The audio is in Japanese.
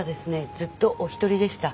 ずっとお一人でした。